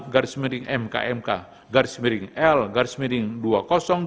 garis miring mkmk garis miring l garis miring l garis miring l garis miring l